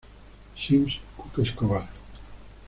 Sims- Cuca Escobar